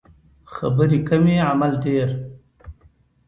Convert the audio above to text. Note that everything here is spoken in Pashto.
خبرې کمې عمل ډیر